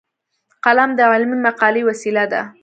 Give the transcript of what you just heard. قلم د علمي مقالې وسیله ده